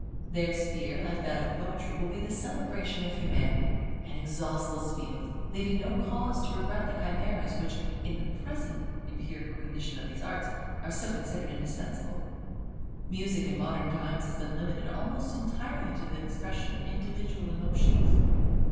Their sphere, like that of Poetry, will be the celebration of Humanity; an exhaustless field, leaving no cause to regret the chimeras which, in the present empirical condition of these arts, are still considered indispensable. Music in modern times has been limited almost entirely to the expression of individual emotions.